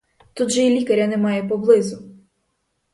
Тут же й лікаря немає поблизу!